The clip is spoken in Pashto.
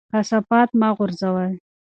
کثافات مه غورځوئ.